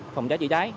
phòng cháy chữa cháy